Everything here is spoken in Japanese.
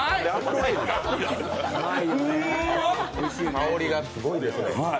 香りがすごいですね。